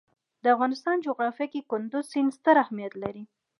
د افغانستان جغرافیه کې کندز سیند ستر اهمیت لري.